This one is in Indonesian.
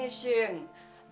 dia kan udah mengkhianati